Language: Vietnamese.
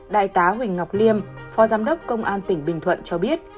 đại tá huỳnh ngọc liêm phó giám đốc công an tỉnh bình thuận cho biết